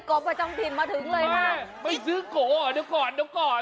ก๋อประจำผิดมาถึงเลยไม่ไม่ซื้อก๋อเหรอเดี๋ยวก่อนเดี๋ยวก่อน